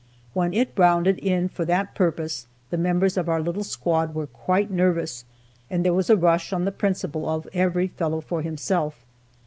When it rounded in for that purpose, the members of our little squad were quite nervous, and there was a rush on the principle of every fellow for himself.